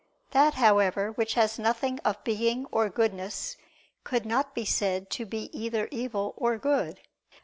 That, however, which has nothing of being or goodness, could not be said to be either evil or good.